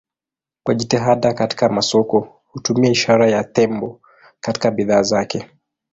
Kwa jitihada katika masoko hutumia ishara ya tembo katika bidhaa zake.